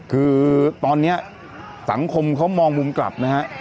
คือตอนนี้สังคมเขามองมุมกลับนะฮะ